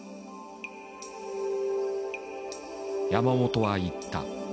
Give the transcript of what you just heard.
山本は言った。